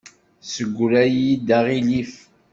Tessegra-yi-d aɣilif.